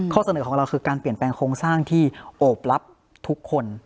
เสนอของเราคือการเปลี่ยนแปลงโครงสร้างที่โอบรับทุกคน